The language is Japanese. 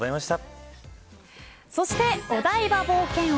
そして、お台場冒険王。